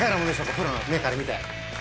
プロの目から見て。